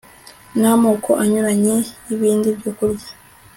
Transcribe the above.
namoko anyuranye yibindi byokurya